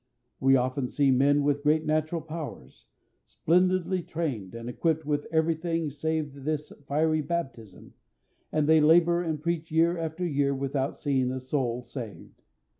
We often see men with great natural powers, splendidly trained, and equipped with everything save this fiery baptism, and they labour and preach year after year without seeing a soul saved.